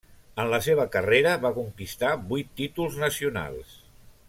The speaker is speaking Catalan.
En la seva carrera va conquistar vuit títols nacionals.